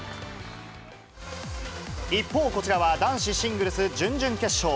一方、こちらは男子シングルス準々決勝。